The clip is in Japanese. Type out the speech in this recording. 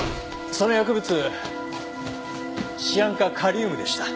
その薬物シアン化カリウムでした。